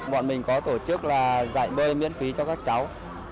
bọn mình có tổ chức là dạy bơi miễn phí cho các cháu